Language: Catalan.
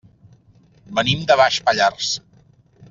Venim de Baix Pallars.